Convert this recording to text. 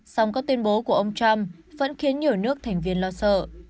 song các tuyên bố của ông trump vẫn khiến nhiều nước thành viên lo sợ